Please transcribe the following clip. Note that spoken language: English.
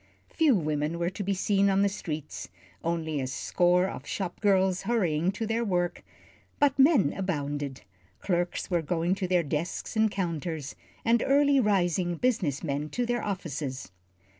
Few women were to be seen on the streets, only a score of shop girls hurrying to their work, but men abounded. Clerks were going to their desks and counters, and early rising business men to their offices.